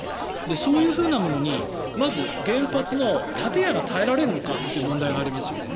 そういうものにまず原発の建屋が耐えられるのかという問題がありますよね。